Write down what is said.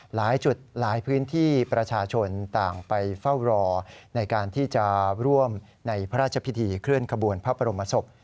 หลายจุดหลายพื้นที่ประชาชนต่างไปเฝ้ารอในการที่จะร่วมในพระราชพิธีเคลื่อนขบวนพระบรมศพ